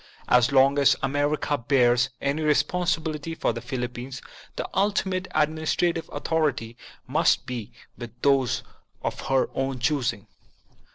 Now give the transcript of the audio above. As long as America bears any responsi bility for the Philippines, the ultimate administrative authority must be with those of her own choosing.